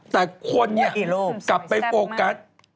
แต่คนนี้เขาจับไปโปรกัส